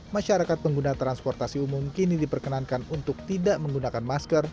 masyarakat pengguna transportasi umum kini diperkenankan untuk tidak menggunakan masker